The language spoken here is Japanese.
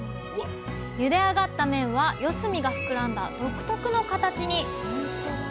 ゆで上がった麺は四隅が膨らんだ独特の形に。